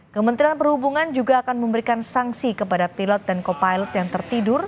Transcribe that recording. kementerian perhubungan juga akan memberikan sanksi kepada pilot dan co pilot yang tertidur